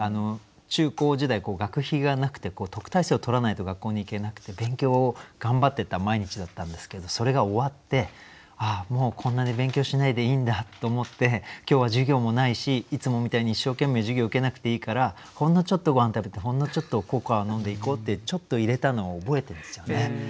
中高時代学費がなくて特待生をとらないと学校に行けなくて勉強を頑張ってた毎日だったんですけどそれが終わって「ああもうこんなに勉強しないでいいんだ」と思って今日は授業もないしいつもみたいに一生懸命授業受けなくていいからほんのちょっとごはん食べてほんのちょっとココア飲んで行こうってちょっと入れたのを覚えてるんですよね。